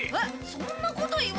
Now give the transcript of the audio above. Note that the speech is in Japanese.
そんなこと言われても。